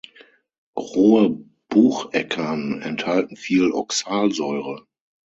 Rohe Bucheckern enthalten viel Oxalsäure.